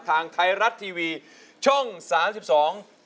ทางไทยรัฐทีวีช่องสามารถ